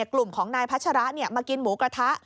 กลุ่มของนายพัชระมากินหมูกระทะ